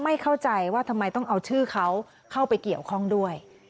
ไม่เข้าใจว่าทำไมต้องเอาชื่อเขาเข้าไปเกี่ยวข้องด้วย